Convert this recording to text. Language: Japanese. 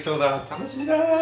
楽しみだ。